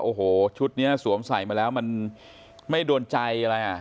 โอ้โหชุดนี้สวมใส่มาแล้วมันไม่โดนใจอะไรอ่ะ